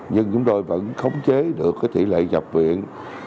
nhưng chúng tôi vẫn khống chế được tỷ lệ nhập viện